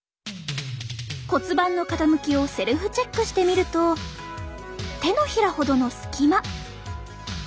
骨盤の傾きをセルフチェックしてみると手のひらほどの隙間。